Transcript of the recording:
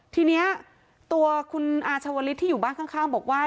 ทีนี้ตัวคุณอาชาวลิศที่อยู่บ้านข้างบอกว่า